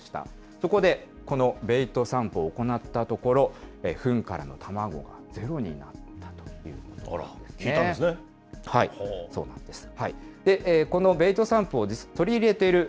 そこで、このベイト散布を行ったところ、ふんからの卵がゼロになったということなんですね。